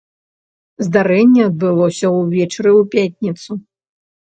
Здарэнне адбылося ўвечары ў пятніцу.